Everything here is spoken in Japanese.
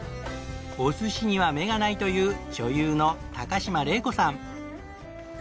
お寿司には目がないという女優の高島礼子さん。